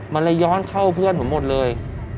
มันเลยย้อนเข้าเพื่อนผมหมดเลย